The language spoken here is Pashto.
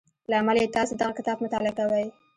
له امله یې تاسې دغه کتاب مطالعه کوئ